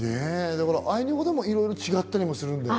アイヌ語でもいろいろ違ったりするんだよね。